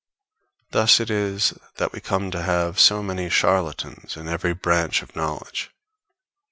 Thus it is that we come to have so many charlatans in every branch of knowledge.